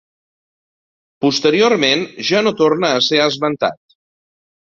Posteriorment ja no torna a ser esmentat.